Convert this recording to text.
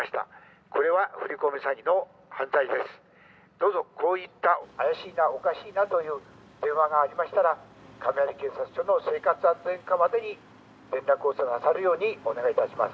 「どうぞこういった“怪しいな”“おかしいな”という電話がありましたら亀有警察署の生活安全課までに連絡をくださるようにお願い致します」